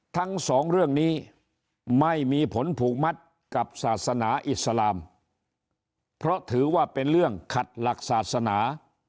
ทั้งสองเรื่องนี้ไม่มีผลผูกมัดกับศาสนาอิสลามเพราะถือว่าเป็นเรื่องขัดหลักศาสนา